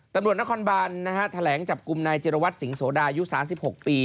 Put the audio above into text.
ตำรวจนครบานแถลงจับกลุ่มนายเจรวัตรสิงโสดายุ๓๖ปี